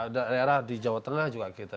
daerah di jawa tengah juga kita